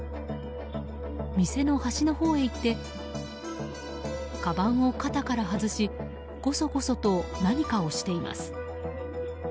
店の端のほうへ行ってかばんを肩から外しゴソゴソと何かをしています。